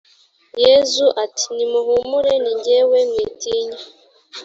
yezu ati:nimuhumure ni jyewe mwitinya